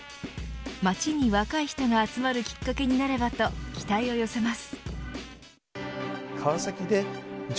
街に若い人が集まるきっかけになればと期待を寄せます。